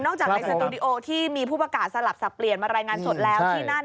นอกจากไลน์สตูดิโอที่มีผู้ประกาศสลับสับเปลี่ยนมารายงานสดแล้ว